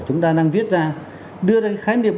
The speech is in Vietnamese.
chúng ta đang viết ra đưa ra cái khái niệm